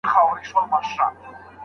د نفقې تفصیلي بحث ولي پرېږدو؟